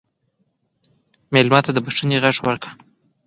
مېلمه ته د بښنې غېږ ورکړه.